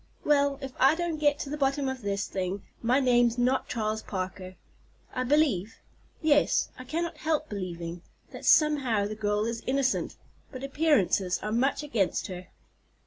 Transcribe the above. Well, if I don't get to the bottom of this thing my name's not Charles Parker. I believe—yes, I cannot help believing—that somehow the girl is innocent; but appearances are much against her."